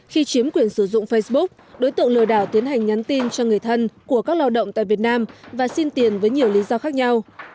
khi chiếm quyền sử dụng facebook đối tượng lừa đảo tiến hành nhắn tin cho người thân của các lao động tại việt nam và xin tiền với nhiều lý do khác nhau